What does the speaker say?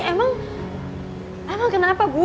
emang kenapa bu